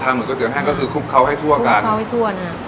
ทำหรือก๋วยเตี๋ยวแห้งก็คือคลุกเข้าให้ทั่วกันคลุกเข้าให้ทั่วนะครับ